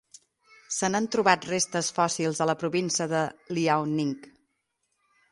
Se n'han trobat restes fòssils a la província de Liaoning.